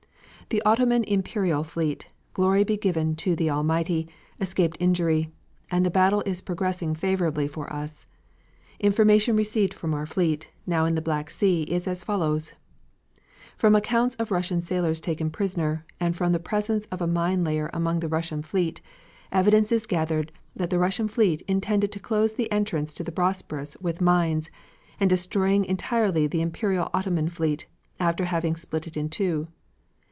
The Ottoman Imperial fleet, glory be given to the Almighty, escaped injury, and the battle is progressing favorably for us. Information received from our fleet, now in the Black Sea, is as follows: "From accounts of Russian sailors taken prisoners, and from the presence of a mine layer among the Russian fleet, evidence is gathered that the Russian fleet intended closing the entrance to the Bosporus with mines, and destroying entirely the Imperial Ottoman fleet, after having split it in two.